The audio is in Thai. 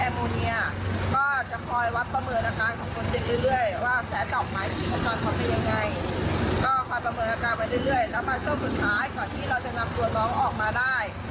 ก่อนที่เราจะนำตัวน้องออกมาได้